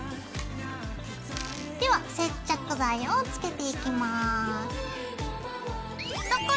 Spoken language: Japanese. では接着剤をつけていきます。